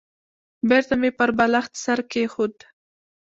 بېرته مې پر بالښت سر کېښود.